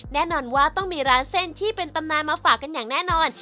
แน่นอนว่าต้องมีร้านเส้นที่เป็นตำนานมาฝากกันอย่างแน่นอน